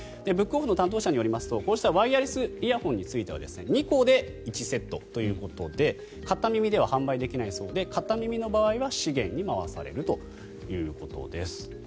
ブックオフの担当者によりますとこうしたワイヤレスイヤホンについては２個で１セットということで片耳では販売できないそうで片耳の場合は資源に回されるということです。